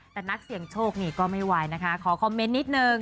แต่นักเสี่ยงโชคนี่ก็ไม่ไหวนะคะขอคอมเมนต์นิดนึง